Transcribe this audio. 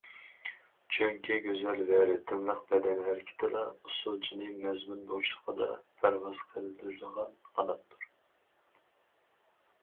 چۈنكى گۈزەل ۋە رىتىملىق بەدەن ھەرىكىتىلا ئۇسسۇلچىنى مەزمۇن بوشلۇقىدا پەرۋاز قىلدۇرىدىغان قاناتتۇر.